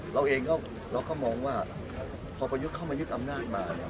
เราเองก็มองว่าพอประยุทธ์เข้ามายึดอำนาจมาเนี่ย